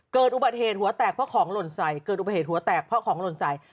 เกิดอุบัติเหตุหัวแตกเพราะของหล่นใส